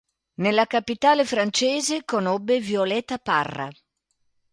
Nella capitale francese conobbe Violeta Parra.